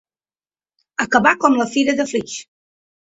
Acabar com la fira de Flix.